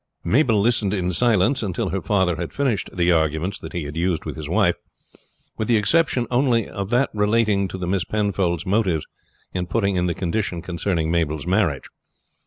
Mabel listened in silence until her father had finished the arguments he had used with his wife, with the exception only of that relating to the Miss Penfolds' motives in putting in the condition concerning Mabel's marriage.